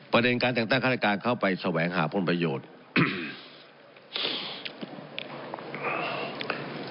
ประเด็นการแต่งตั้งฆาตการเข้าไปแสวงหาผลประโยชน์